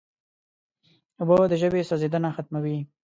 اوبه د ژبې سوځیدنه ختموي.